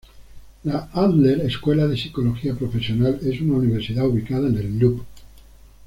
La Adler Escuela de Psicología Profesional es una universidad ubicada en el Loop.